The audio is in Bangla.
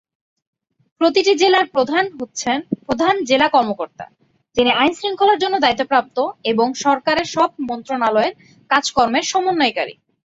প্রতিটি জেলার প্রধান হচ্ছেন "প্রধান জেলা কর্মকর্তা" যিনি আইন শৃঙ্খলার জন্য দায়িত্বপ্রাপ্ত এবং সরকারের সব মন্ত্রণালয়ের কাজকর্মের সমন্বয়কারী।